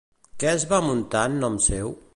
Què es va muntar en nom seu?